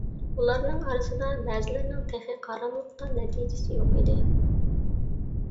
ئۇلارنىڭ ئارىسىدا بەزىلەرنىڭ تېخى قاراملىقتا نەتىجىسى يوق ئىدى.